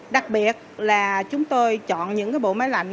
đặc biệt là chúng tôi chọn những bộ máy lạnh